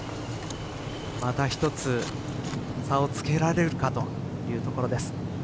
また１つ差をつけられるかというところです。